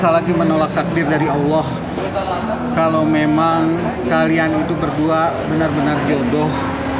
saya lagi menolak takdir dari allah kalau memang kalian itu berdua benar benar jodoh